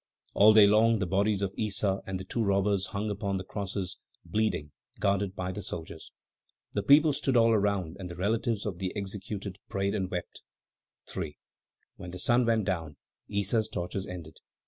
All day long the bodies of Issa and the two robbers hung upon the crosses, bleeding, guarded by the soldiers. The people stood all around and the relatives of the executed prayed and wept. 3. When the sun went down, Issa's tortures ended.